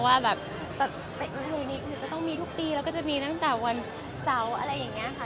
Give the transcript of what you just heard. ว่าแบบจะต้องมีทุกปีแล้วก็จะมีตั้งแต่วันเศร้าอะไรอย่างนี้ค่ะ